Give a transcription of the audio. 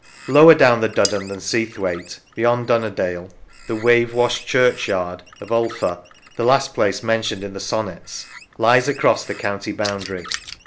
Lower down the Duddon than Seathwaite, beyond Dunnerdale, " the wave washed churchyard " of Ulpha, the last place mentioned in the sonnets, lies across the county boundary.